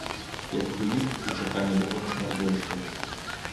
Як вынік, і чаканні ад яго нашмат большыя.